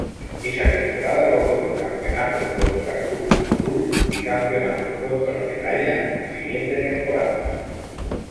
Esa temporada logró el campeonato contra Cruz Azul, bicampeonato contra Celaya la siguiente temporada.